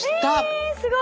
えすごい！